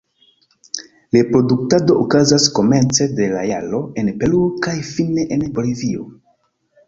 Reproduktado okazas komence de la jaro en Peruo kaj fine en Bolivio.